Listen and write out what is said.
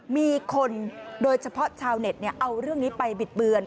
มีคนโดยเฉพาะชาวเน็ตเอาเรื่องนี้ไปบิดเบือน